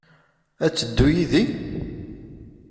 Ad teddu yid-i?